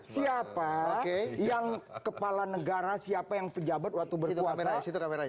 siapa yang kepala negara siapa yang pejabat waktu berkuasa